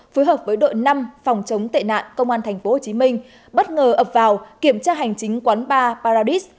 phối hợp với đội năm phòng chống tệ nạn công an tp hcm bất ngờ ập vào kiểm tra hành chính quán bar paradis